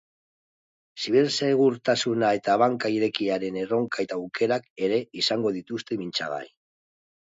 Zibersegurtasuna eta banka irekiaren erronka eta aukerak ere izango dituzte mintzagai.